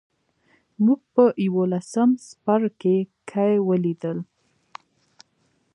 موږ په یوولسم څپرکي کې ولیدل.